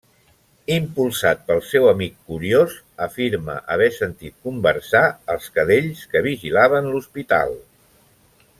Impulsat pel seu amic curiós, afirma haver sentit conversar els cadells que vigilaven l'hospital.